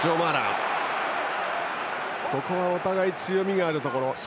ここはお互い強みがあるところ。